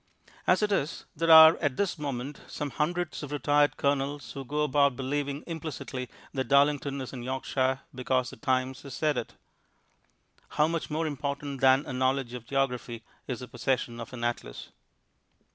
As it is, there are at this moment some hundreds of retired colonels who go about believing implicitly that Darlington is in Yorkshire because The Times has said it. How much more important than a knowledge of geography is the possession of an atlas.